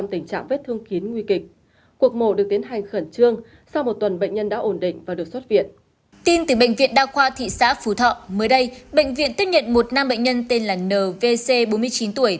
mới đây bệnh viện tiếp nhận một nam bệnh nhân tên là n v c bốn mươi chín tuổi